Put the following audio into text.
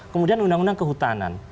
kemudian undang undang kehutanan